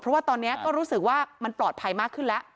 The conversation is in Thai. เพราะว่าตอนนี้ก็รู้สึกว่ามันปลอดภัยมากขึ้นแล้ว